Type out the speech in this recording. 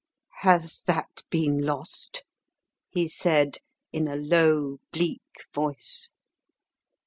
"Has that been lost?" he said in a low, bleak voice.